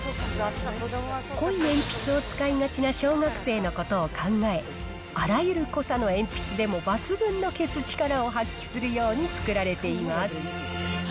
濃い鉛筆を使いがちな小学生のことを考え、あらゆる濃さの鉛筆でも抜群の消す力を発揮するように作られています。